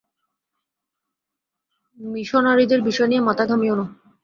মিশনরীদের বিষয় নিয়ে মাথা ঘামিও না।